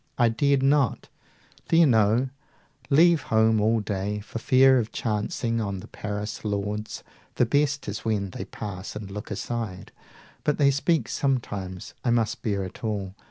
I dared not, do you know, leave home all day, 145 For fear of chancing on the Paris lords. The best is when they pass and look aside; But they speak sometimes; I must bear it all.